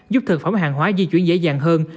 giúp thực phẩm hàng hóa di chuyển dễ dàng hơn